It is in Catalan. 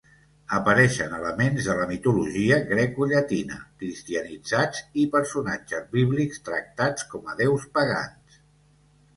Apareixen elements de la mitologia grecollatina cristianitzats i personatges bíblics tractats com a déus pagans.